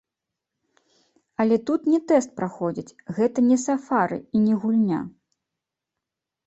Але тут не тэст праходзяць, гэта не сафары і не гульня.